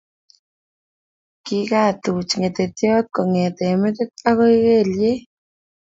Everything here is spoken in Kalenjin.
Kigatuch ngetetyaat kongete metit agoi kelyek